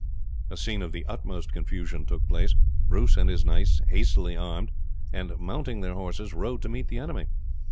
A scene of the utmost confusion took place. Bruce and his knights hastily armed, and mounting their horses rode to meet the enemy.